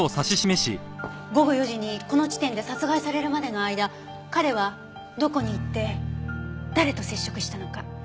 午後４時にこの地点で殺害されるまでの間彼はどこに行って誰と接触したのか。